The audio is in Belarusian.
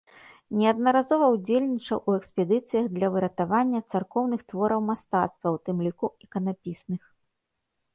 Неаднаразова ўдзельнічаў у экспедыцыях для выратавання царкоўных твораў мастацтва, у тым ліку іканапісных.